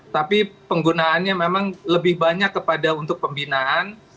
tapi penggunaannya memang lebih banyak kepada untuk pembinaan